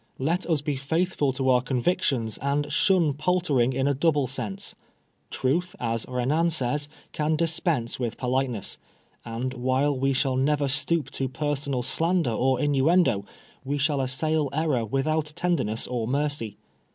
Xet us be faithful to our convictions, and shun paltering in a double sense. Truth, as iUnan says, can dispense with politeness ; and while we shall never stoop to personal slander or innuendo, we shall assail error without tenderness or mercy.